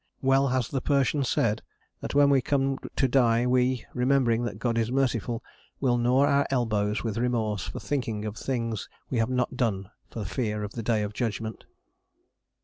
Well has the Persian said that when we come to die we, remembering that God is merciful, will gnaw our elbows with remorse for thinking of the things we have not done for fear of the Day of Judgment.